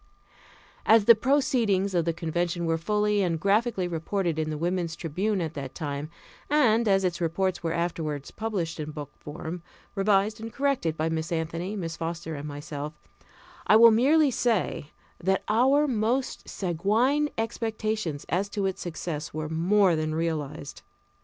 As the proceedings of the contention were fully and graphically reported in the Woman's Tribune at that time, and as its reports were afterward published in book form, revised and corrected by Miss Anthony, Miss Foster, and myself, I will merely say that our most sanguine expectations as to its success were more than realized.